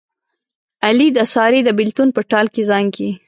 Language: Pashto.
علي د سارې د بلېتون په ټال کې زانګي.